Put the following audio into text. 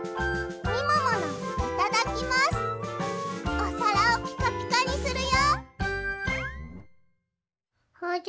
おさらをピカピカにするよ！